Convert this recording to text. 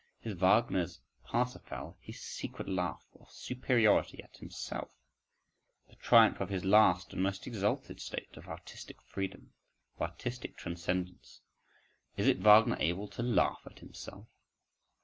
… Is Wagner's "Parsifal" his secret laugh of superiority at himself, the triumph of his last and most exalted state of artistic freedom, of artistic transcendence—is it Wagner able to laugh at himself?